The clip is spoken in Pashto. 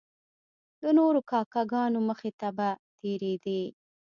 د نورو کاکه ګانو مخې ته به تیریدی.